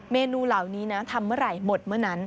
เมนูเหล่านี้นะทำเมื่อไหร่หมดเมื่อนั้น